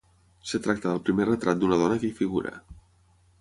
Es tracta del primer retrat d'una dona que hi figura.